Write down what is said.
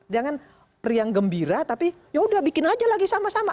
jangan riang gembira tapi yaudah bikin aja lagi sama sama